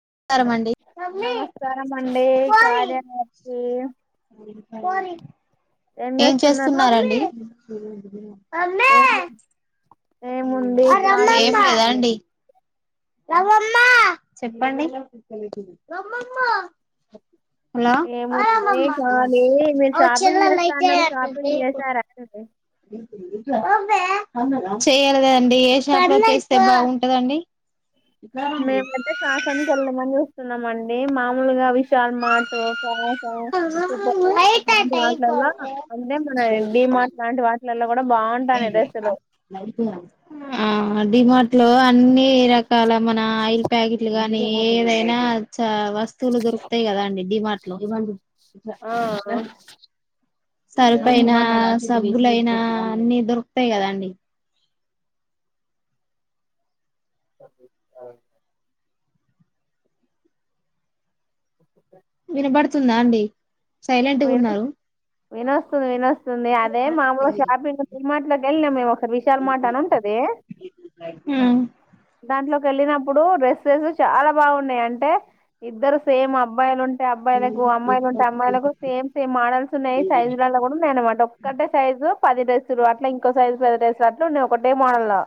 నమస్కారం అండి నమస్కారం అండి కార్యాలయానికి ఏం చేస్తున్నారండి [unintelligible] ఏంటి ఏమి లేదా అండి చెప్పండి హలో ఏమున్నా కాాలి మీరు షాపింగ్ చేస్తా అన్నారు షాపింగ్ చేసారా అండి చెయాలి కదండి ఏ షాప్ లో చేస్తే బాగుంటదండి మేమైతే కాసిం వెళ్ళామండి వస్తున్నామండి మామూలుగా విశల్ మాట్ లాంటి వాలలో అంటే మన డిమాార్ట్ లాంటి వాటిలలో కూడా బాగుంటాను డ్రెస్సులు డిమట్ లో అన్ని ర కాల మన ఆయిల్ ప్యాకెట్లు గా ఏదైనా చ వస్తువులు దొరుకుతాయి కదా అండి డిమార్ట్ లో ఆ షర్ప్ అయినా సబ్బులయినా అన్నిీ దొరుకుతాయి కదా అండి అ వినబడుతుందా అండి సైలెంట్ గా ఉన్నారు వినస్తుంది కదా అదే మామూలు షాపింగ్ డిమాట్లో ఎల్ మేము స విశాల మాట అని ఉంటది దాంట్లోకి వెళ్ళినప్పుడు డ్రెస్సెస్ చాలా బాగున్నాయి అంటే ఇద్దరు సేమ్ అబ్బాయిలు ఉంట ే అబ్బాయిలకు అమ్మాయిలు ఉంటే అమ్మాయిలకు సేమ్ సేమ్ మోడల్స్ ఉన్నాయి సైజులలో కూడా ఉన్నాయి అనమాట ఒక్కటే సైజు పది డ్రెస్సులు అట్లా ఇంకో సైజు పది డ్రెసులు అట్లా ఉన్నాయి ఒకటే మోడల్ లో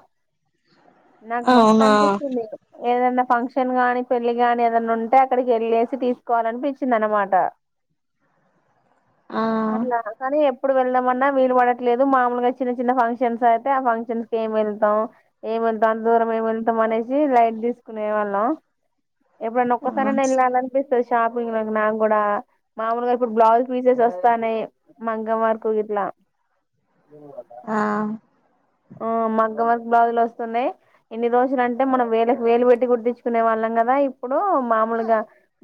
నాకు మస్త అవునా అనిపించింది ఏదయిన ఫంక్షన్ గాని పెళ్లిి ని ఏదన్నా ఉంటే అక్కడికి వెళ్ళేసి తీసుకోవాలనిపించింది అనమాట ఆ అట్లా కానీ ఇప్పుడు వెళ్దామన్నా వీలు పడట్లేదు మాముూలుగా చిన్న చిన్న ఫంక్షన్స్ అయితే ఆ ఫంక్షన్స్ క ఏమి వెళ్తాం ఏం వెతాం దాని దూరం ఏం వెళ్తాం అనేసి లైట్ తీసుకునే వాళ్ళం ఎప్పుడైనా ఒక్కదానే వెళ్ళాలి అనిపి షాపింగ్లకు నాకు కూడా మామూలుగా ఇప్పుడు బ్లౌజ్ పీసెస్ వస్తాన్నాయి, మగ్గమ్ వరకు గిట్లా. ఆ మగ్గమ్ వర్క్ బ్లౌజులు వస్తున్నయి. ఇన్ని రోజులు అంటే మనం వేలకు వేలు వెట్టి కుట్టిచ్చుకునే వాళ్ళం కదా. ఇప్పుడు మామూలుగా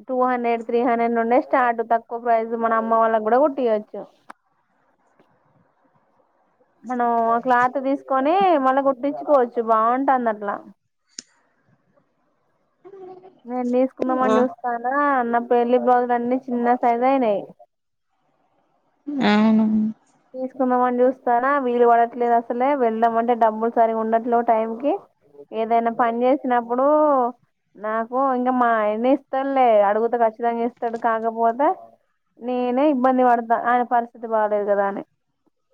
టూ హండ్రెడ్, త్రీ హండ్రెడ్ నుండే స్టార్ట్ తక్కువ ప్రైస్ మన అమ్మ వాళ్ళకు కూడా కుట్టియోచ్చు. మనం ఓ క్లాత్ తీసుకొని మళ్ళా కుట్టించుకోవచ్చు బావుంటాంది అట్లా. నేను తీసుకుందామని చూస్తానా. నా పెళ్లి బ్లౌజులు అన్నీ చిన్న సైజ్ అయినయి. అవునా కుందాంమని చూస్తాన్న వీలు పడట్లేదు అసలే వెళ్దాం అంటే డబ్బులు సరిగా ఉండట్లే టైం కి ఏదైనా పని చేసినప్పుడు నాకు ఇంగా మా ఆయన్నే ఇస్తాడులే అడుగుతే ఖచ్చితంగా ఇస్తాడు కాకపోతే నేనే ఇబ్బంది పడతా ఆయన పరిస్థితి బాగాలేదు కదా అని.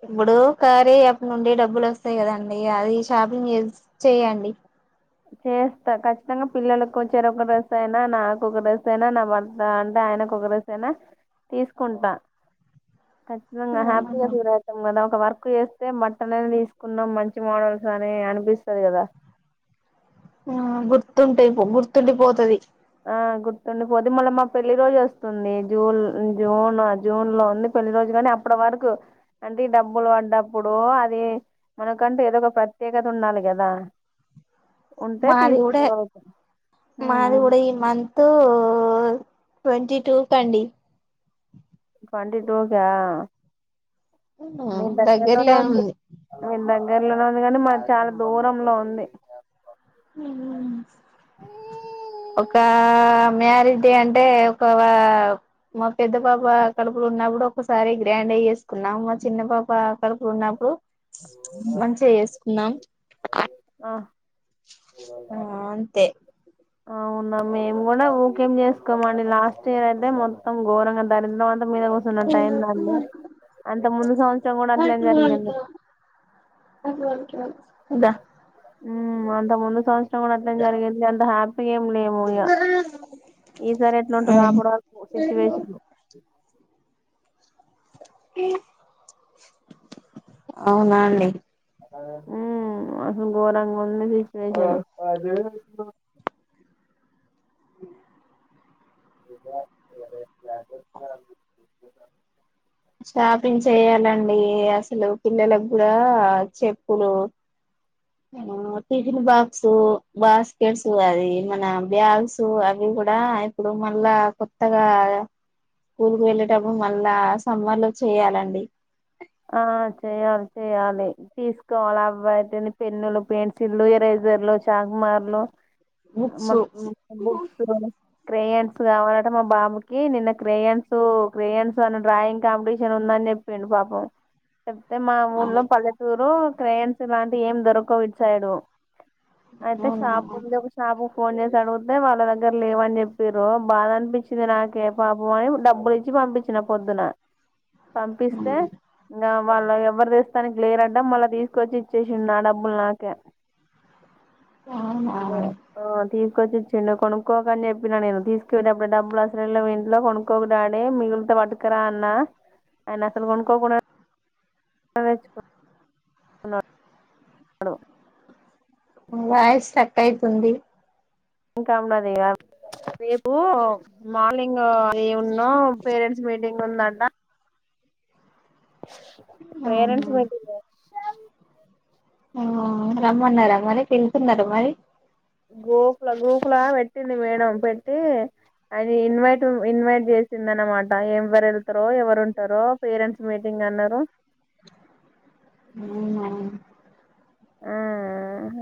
ఇప్పుడు కార్యా యాప్ నుండి డబ్బులు వస్తాయి కదండి అది షాపింగ్ చేస్ చేయండి. చేస్తా ఖచ్చితంగా పిల్లలకు ఓ చెరొక్క డ్రెస్ అయినా, నాకు ఒక డ్రెస్ అయినా, నా భర్త అంటే ఆయనకు ఒక డ్రెస్ అయినా తీసుకుంటా. ఖచ్చితంగా హ్యాపీగా ఫీల్ అయితం మేడం. ఒక వర్క్ చేస్తే మట్టనైన తీసుకున్నాం మంచి మోడల్స్ అని అనిపిస్తది కదా. ఆ గుర్తుంటాయిపో గుర్తుండిపోతది. ఆ గుర్తుండి పొద్ది మల్ల మా పెళ్లి రోజు వస్తుంది. జూన్ జూన్ జూన్ లో ఉంది పెళ్లి రోజు కానీ అప్పటి వరకు అంటే ఈ డబ్బులు వడ్డప్పుడు అది మనకంటే ఏదో ఒక ప్రత్యేకత ఉండాలి కదా. ఉంటే మాది కూడా తీసుకుందాం [inaudible] హు మాది హు కూడా ఈ మంత్ ట్వంటీ టూకండి ట్వంటీ టూకా మీ ఉమ్ దగ్గరలోనే దగ్గర్లే ఉంది. మీ దగ్గరలోనే ఉంది కానీ మాది చాలా దూరంలో ఉంది. ఒక మ్యారేజ్ డే అంటే ఒక మా పెద్ద పాప కడుపులో ఉన్నప్పుడు ఒ ఒక్కసారి గ్రాండ్ గా చేేసుకున్నాం. మా చిన్న పాప కడుపులో ఉన్నప్పుడు మంచిగా చేసుకున్నాం. ఆహా ఆ అంతే అవునా మేము కూడా ఊకేం చేసుకోమండి. లాస్ట్ ఇయర్ అయితే మొత్తం ఘోరంగా దరిద్రమం మీద కూసున్నట్టు అయిందండి. అంత ముందు సంవత్సరం కూడా అట్లే జరిగింది. దా హూమ్ అంత ముందు సంవత్స రం అట్నే జరిగింది అంత హ్యా పీగా ఏం లేము ఇగ, ఈసారి ఎట్లుంటదో అప్పడి వరకు సిచ్యువేషన్. అవునా అండి హు అసలు గోరంగా ఉంది సిచువేషన్. అ ఏ షాపింగ్ చేయ్యాలండి అసలు పిల్లలకు కూడా చెప్పులు టిఫిన్ బాక్స్ బాస్కెట్స్ అది మన బ్యాగ్స్ అవి కూడా ఇప్పుడు మళ్ళా కొత్తగా స్కూల్ కు వెళ్ళేటప్పుడు మళ్ళా సమ్మర్ లో చేయాలండి ఆ చెయాలి చెయ్యాలి తీసుకోవాలి అబ్బాయిని పెన్నులు పెన్సిల్లు ఇరైజర్లు చాకుమార్లు మ బుక్స్ క్రేయన్స్ కావాలట మా బామకి నిన్న క్రేయన్స్ క్రయన్స్ అన్న డ్రాయింగ్ కాంపిటీషన్ ఉందని చెప్పిండు పాపం చెప్తే మా ఊర్లో పల్లెటూరు ట్రైన్స్ ఇలాంటియి ఏం దొరకవ్ ఇట్ సైడ్డు అంతే అవునా షాపు ఉంది ఒక షాపు ఫోన్ చేసి అడుగుతే వాళ్ళ దగ్గర లేవని చెప్పిరు బాధ అనిపించింది నాకే పాపం అని డబ్బులు ఇచ్చి పంపించిన పొద్దున పంపిస్తే ఇంకా వాళ్ళ ఎవ్వరు దస్తానికి లేరంట మళ్ళా తీసుకొచ్చి ఇచ్చేసిడు నా డబ్బులు నాకే ఆ తీస్ కొనిచ్చచ్చిండు కొనుక్కోక అని చెప్పిన నేను తీసుకునేటప్పుడు డబ్బలు అసలు లేవు ఇంట్లో కొనుకోకు డాడీ మిగులితో పటుకరా అన్న ఆయన అసలు కొను కోకుడా నువేచుకో అను వాయిస్ స్ట్రకైతుంది ఇంకా ఉన్నాదిగ రేపు మార్నింగ్ ఈ ఉన్నో పేరెంట్స్ మీటింగ్ ఉందంట అవునా. పేరెంట్స్ మీటింగ్ ఆ రమ్మన్నారా మరి పెళ్తున్నార మరి గూప్ల గ్రూప్లా పెట్టింది మేడం పెట్టి అది ఇన్వైట్ ఇన్వైట్ చేసింది అనమాట ఎవరు వెళ్తారో ఎవరు ఉంటారో పేరెంట్స్ మీటింగ్ అన్నారు అవునా ఆ హ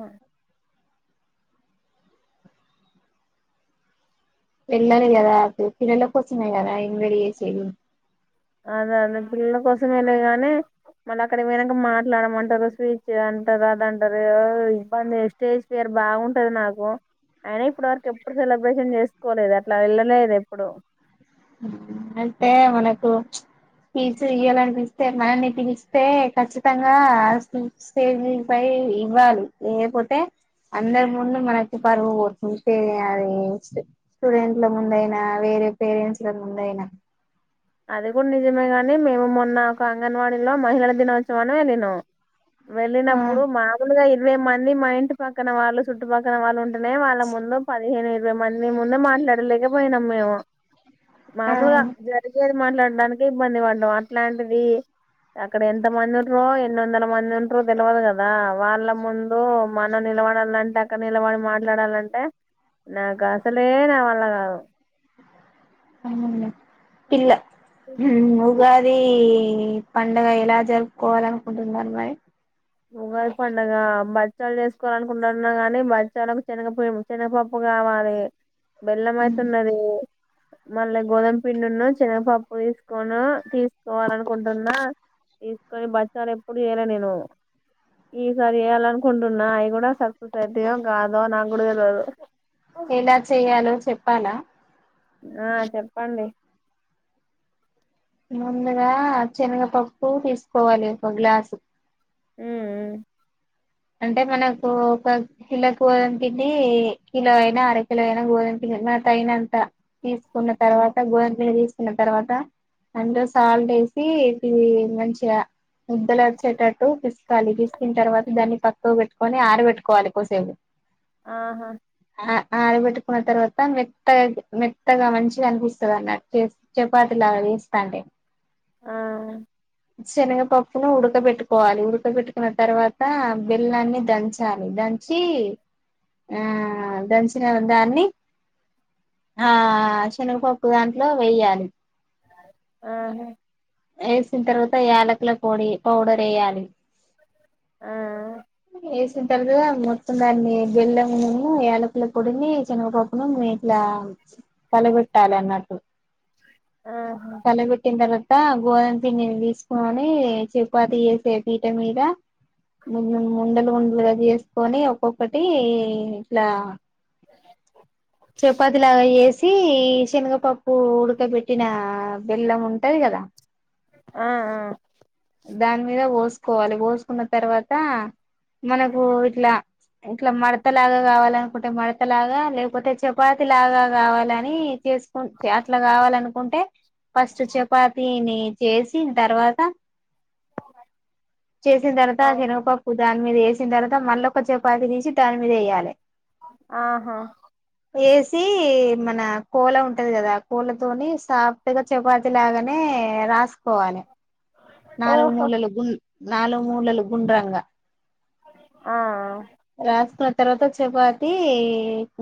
వెళ్ళాలి గాదా పిల్లలకోసమే గదా ఇన్వడి చేసేది అదే అదే పిల్లల కోసం వెళ్ళగానే మళ్ళ అక్కడకి పోయినంక మాట్లాడమంటారు స్వీచ్ అంత రాదంటారు ఇబ్బంది స్టేజ్ ఫేర్ బాగుంటది నాకు అయిన ఇప్పుటి వరకు ఎప్పుడు సెలబ్రేషన్ చేసుకోలేదు అట్ లా వెళ్ళలేదు ఎప్పుడు అయితే మనకు స్పీచు ఇయాలనిపిత్తే మననిటి ఇస్తే ఖచ్చితంగా స్టేజ్ పై ఇవ్వాలి లేకపోతే అందరి ముందు మనకి పరువు పోతుంది అది స్టూడెంట్ల ముందయినా వేరే పేరెంట్స్ ఇ సార్ ముందయినా అది కూడా నిజమే గాని మేము మొన్న ఒక అంగన్వాడీలో మహిళల దినోత్సవాన్ని వెళ్ళినాం ఆ వెళ్ళినప్పుడు మామూలుగా మేమ్ మని మా ఇంటి పక్కన వాళ్ళు చుట్టుపక్కన వాళ్ళు ఉం స్తనె వాళ్ళ ముందు ప పదిహేను ఇరవై మంది ముందే మాట్లాడలేకపోయినాం మేము ఆ మామూలు ఇది మాట్లాడానికి ఇబ్బంది పడటం అట్లాంటిది అక్కడ ఎంత మందుండ్రో ఎ రెడు వందల మంది ఉంటారు తెలియదు కదా వాళ్ళ ముందు మనం నిలబడాలంటే అక్కడ నిలబడి మాట్లాడాలంటే నాకు అసలే నా వాళ్ల కాదు అవునండి పిల్ల [inaudible] ఉగాది పండగ ఎలా జరుపుకోవాలి అనుకుంటున్నారు మరి ఉగాది పండగ బచ్చాలు చేసుకోవాలినుకుంటున్నా గాని బచ్చాలకు శనగపి శనగపప్పు కావాలి బెల్లం అయితే ఉన్నది మళ్ళీ గోధుమ పిండున్న చిన్నగపప్పు తీసుకోను తీసుకోవాల అనుకుంటున్నా తీసుకొని బచ్చాలు ఎప్పుడు చేయాల నేను ఈసారి చేయాల అనుకుంటున్నా అవి కూడా సరిపోతట్టి కాదో నాకు కూడా తెలవదు ఎలా చెయాలో చెప్పాలా ఆహ చెప్పండి ముందుగా శనగపప్పు తీసుకోవాలి ఒక గ్లాసు ఉహు ఊ అంటే మనకు ఒక కిలో గోధం పిండి కిలో అయినా అరకిల అయినా గోధం పిండి మనకు తగినంత తీసుకున్న మ్మ్ తర్వాత గోధుమపిండి తి తర్వాత అందులో సాల్ట్ వేసి ఇ మంచిగా ముద్దలు వచ్చేటట్టు పిసుకాలి పిసికిన తర్వాత దాన్ని పక్కకు పెట్టుకొని ఆరు పెట్టుకోవాలి కోసేపు ఆహా ఆడబెట్టుకున్న తర్వాత మెత్తగా మెత్తగా మంచిగా అనిపిస్తుంది అన్నటు చపాతిలాగా చేస్తా అంటే ఆ శనగపప్పును ఉడకబెట్టుకోవాలి ఉడకబెట్టుకున్న తర్వాత బిల్లాన్ని దంచాలి దంచి ఆ దంచిన దాన్ని ఆ శనగపప్పు దాంట్లో వేయాలి ఆహ వేసిన తర్వాత యాలకుల పొడి పౌడర్ వేయాలి ఆ వేసిన తర్వాత మొత్తం దాన్ని బెల్లమును యాలకుల పొడిని శనగ పప్పును ఇట్లా పలగొట్టాలి అన్నట్టు ఆహా కలబెట్టిన తర్వాత గోధుమ పిండిని తీసుకోని చపాతి చేసే పీట మీద ఉండలు ఉండలుగా చేసుకొని ఒక్కొక్కటి ఇట్లా చపాతి లాగా చే చి శనగపప్పు ఉడకబెట్టిన బెల్లం ఉంటది కదా ఆ ఆ దాని మీద పోసుకోవాలి పోసుకున్న తర్వాత మనకు ఇట్లా ఇట్లా మడత లాగా కావాలనుకుంటే మడత లాగా లేకపోతే చపాతి లాగా కావాలని చేసుకు అట్లా కావాలనుకుంటే ఫస్ట్ చపాతని చేసిన తర్వాత చేసిన ఆ తర్వాత శనగపప్పు దాని మీద వేసిన తర్వాత మళ్ళ ఒక చపాతి తీసి దాని మీద వేయాలే ఆహా వేసి మన కోల ఉంటది కదా కోలతోని సాఫ్ట్ గా చపాతి లాగానే రాసు పోవాలే నాలుగు ఓహో మూలలు గుం నాలుగు మూలలు గుండ్రంగా ఆ రాష్టరా తర్వాత చపాతి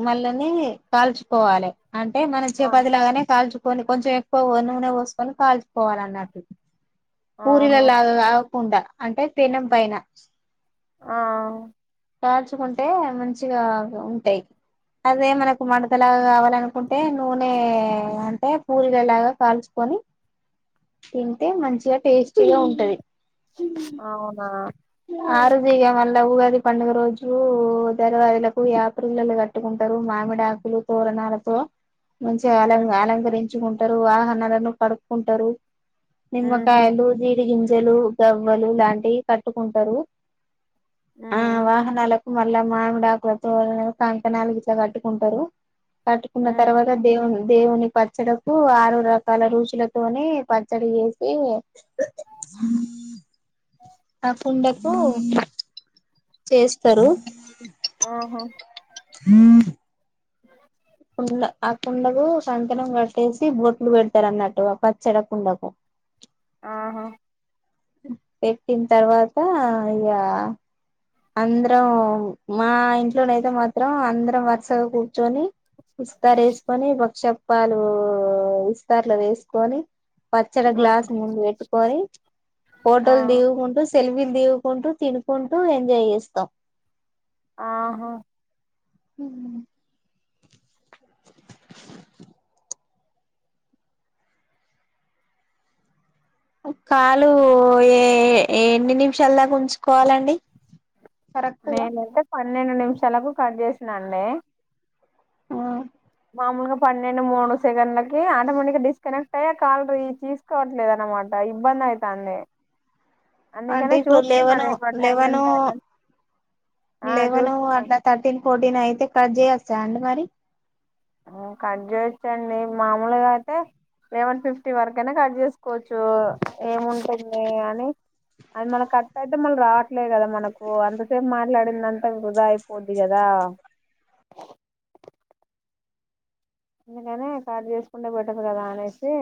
మళ్ళని కాల్చుకోవాలె. అంటే మనం ఆ చేపాదిలాగానే కాల్చు కొని కొంచెం ఎక్కువ నూనె పోసుకొని కాల్చుకోవాలన్నట్టు. ఆహా పూరిలల్లాగ కుండ అంటే పెనం పైన ఆ కాల్చుకుంటే మంచిగా ఉంటయ్, అదే మనకు మడతలాగ కావాలనుకుంట్ టే నూనె అంటే పూల్గా లాగా కాల్చుకొని, తింటే మంచిగా టేస్టీ గా ఉంటది. అవునా ఆరుదిగ మల్ళ ఊగాది పండుగ రోజు జర్వాజలకు యాపిల్లలు కట్టుకుంటరు మామిడాకులు తోరణాలతో. మంచిగా అలం అలంకరించుకుంట్ టరు వాహరనాలను కడుక్కుంటరు. మ్మ్ నిమ్మకాయలు జీడి గింజ జలు గవ్వలు లాంటివి కట్ టుకుంటరు. ఆ మ్మ్ వాహనాల మళ్ళా మామిడాకుల తోరణం, కంకణాలు గిట్ల కట్టుకుంటరు. కట్టుకున్న మ్మ్ తర్వాత దేవున్ దేవుని పచ్చడకు ఆరు రకాల రుచులతోని పచ్చడి చేసి ఆ కుండకు చేస్తరు. ఆహా హ అ కుండ ఆ కుండకు సంతనం కట్టేసి బోట్లు పెడతరున్నట్టు ఆ పచ్చడ కుండకు. ఆహా పెట్టిన తర్వాత ఇగ అందరం మా ఇంట్లోనైతే మాత్రం, అందరం వరుసగా కు చోని ఇస్తారేసుకొని వక్షాప్ పాలు ఇస్తార్ల వేసుకొని పచ్చడి ఆ గ్లాస్ ముందు వెట్టుకొని, ఆ ఫోటోలు దిగుకుంటూ స్ సెల్ఫీల్ దిగుకుంటూ ఎంత్ చేయిస్తాం. ఆహా ఉమ్ కాలు ఏ ఏన్ని నిమిషాల దాక ఉంచుకోవాలండి. కరెక్ట్గా మేం అంటే ప పన్నెండు నిమిషాలకు కట్ చేసినండి. ఉమ్ మామూలుగా పన్నెండు మూడు సెకండ్లకి ఆటోమేటిక్ గా డిస్కనెక్ట్ అయ్, ఆ కాల్ రీ తీసుకోవట్లేదు అనమాట ఇబ్బంది అయితంది. అంటే ఇప్పుడు లెవెను లెవెను ఎంత అయిందని ఆ లెవెను, చూస్తున్నాను అట్లా థర్టీన్ ఫోర్టీన్ అయితే టచ్ చేయస్తాడా అండి మరి? ఉమ్ కట్ చేయచ్చండి మామూలుగా అయితే లెవెన్ ఫిఫ్టీ వరకైనా కట్ చేసుకోవచ్చు, ఏముంటుంది అని అది మల్ల కట్ అయితే మళ్ళీ రావట్లేదు కదా మనకు, అంతసేపు మాట్లాడిందంత వృధా అయిపోద్ది కదా. అందుకని కట్ చేసుకుంట పోతాం కదా అనేసి